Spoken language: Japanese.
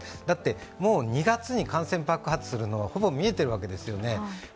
だって、もう２月に感染爆発するのは、ほぼ見えているわけですよね。